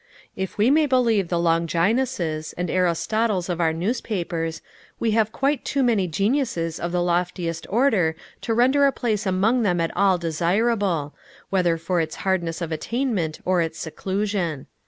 If we may believe the Longinuses and Aristotles of our newspapers, we have quite too many geniuses of the loftiest order to render a place among them at all desirable, whether for its hardness of attainment or its seclusion.